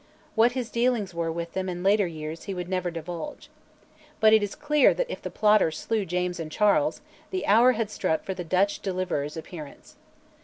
What his dealings were with them in later years he would never divulge. But it is clear that if the plotters slew Charles and James, the hour had struck for the Dutch deliverer's appearance.